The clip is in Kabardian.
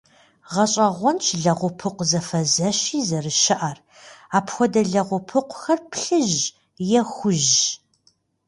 Гъэщӏэгъуэнщ лэгъупыкъу зэфэзэщи зэрыщыӏэр, апхуэдэ лэгъупыкъухэр плъыжьщ е хужьщ.